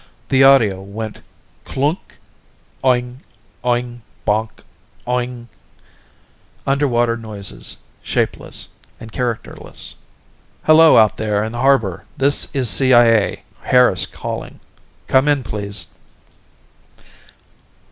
The audio went cloonck ... oing, oing ... bonk ... oing ... Underwater noises, shapeless and characterless. "Hello, out there in the harbor. This is CIA, Harris calling. Come in, please."